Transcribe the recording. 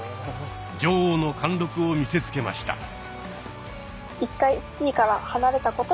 女王の貫禄を見せつけました。